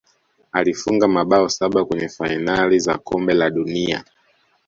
alifunga mabao saba kwenye fainali za kombe la dunia